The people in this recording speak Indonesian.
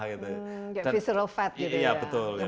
fisial fat gitu ya